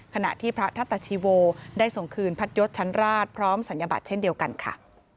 ขณะที่พระทัตชีโวได้ส่งคืนพัทยศชั้นราชพร้อมศัลยบัตรเช่นเดียวกันค่ะ